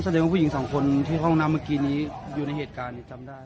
อ๋อแสดงว่าผู้หญิงสองคนที่ห้องน้ำเมื่อกี้นี้อยู่ในเหตุการณ์